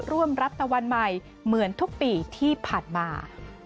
ร่วมรับตะวันใหม่เหมือนทุกปีที่ผ่านมา